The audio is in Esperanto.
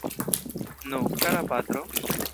Nu, kara patro?